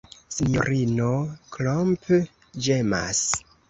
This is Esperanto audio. Sinjorino Klomp ĝemas.